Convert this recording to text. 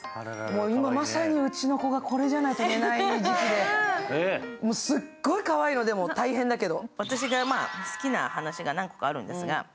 今まさに、うちの子がこれじゃないと寝ない時期で、すっごいかわいいの、大変だけど。